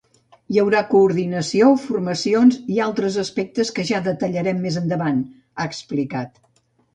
Hi haurà coordinació, formacions i altres aspectes que ja detallarem més endavant, ha explicat.